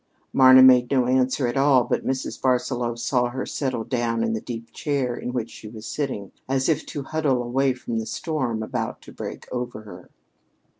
Marna made no answer at all, but Mrs. Barsaloux saw her settle down in the deep chair in which she was sitting as if to huddle away from the storm about to break over her.